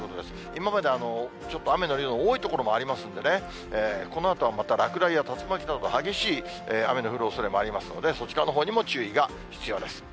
今までちょっと雨の量が多い所もありますんでね、このあとはまた落雷や竜巻などの激しい雨の降るおそれもありますので、そちらのほうにも注意が必要です。